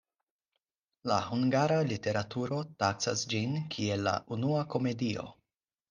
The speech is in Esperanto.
La hungara literaturo taksas ĝin, kiel la unua komedio.